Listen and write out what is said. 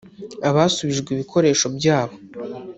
Abasubijwe ibikoresho byabo